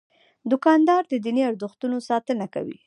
دوکاندار د دیني ارزښتونو ساتنه کوي.